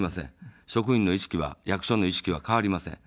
職員の意識は、役所の意識は変わりません。